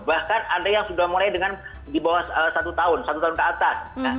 bahkan ada yang sudah mulai dengan di bawah satu tahun satu tahun ke atas